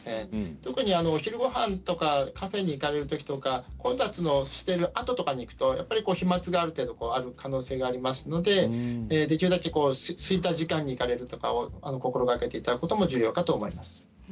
特にお昼ごはんとかカフェに行かれるときなど混雑しているあとに行くと飛まつがある程度ある可能性がありますのでできるだけすいた時間に行かれるとか心がけていただくことも重要かと思います。